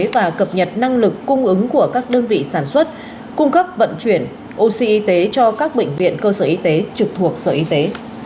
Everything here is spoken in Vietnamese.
và cập nhật năng lực cung ứng của các đơn vị sản xuất cung cấp vận chuyển oxy y tế cho các bệnh viện cơ sở y tế trực thuộc sở y tế